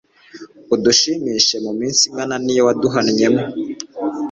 udushimishe mu minsi ingana n’iyo waduhannyemo